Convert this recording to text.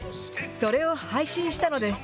それを配信したのです。